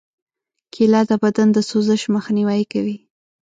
کېله د بدن د سوزش مخنیوی کوي.